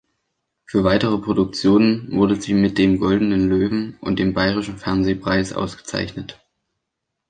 Für weitere Produktionen wurde sie mit dem Goldenen Löwen und dem Bayerischen Fernsehpreis ausgezeichnet.